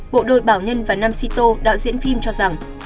bộ đội bảo nhân và nam sĩ tô đạo diễn phim cho rằng